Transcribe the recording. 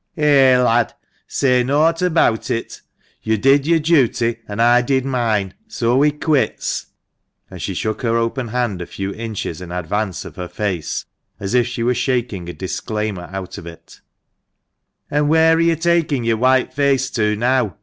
" Eh, lad, say naught about it ; you did your duty, and I did mine, and so we're quits ;" and shook her open hand a few inches in advance of her face, as if she were shaking a disclaimer out of it "And where are you taking your white face to now